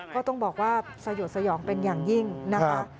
ก็ต้องบอกว่าสยดสยองเป็นอย่างยิ่งนะคะ